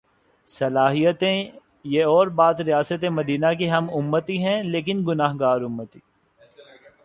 صلاحیتیں یہ اور بات ریاست مدینہ کی ہم امتی ہیں لیکن گناہگار امتی۔